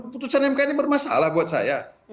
putusan mk ini bermasalah buat saya